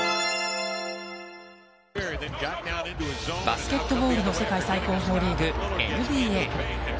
バスケットボールの世界最高峰リーグ、ＮＢＡ。